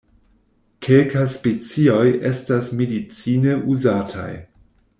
Kelka specioj estas medicine uzataj.